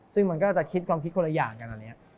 ซึ่งมันก็จะคิดความคิดคนละอย่างกันตอนนี้